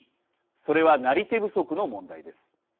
それは、なり手不足の問題です。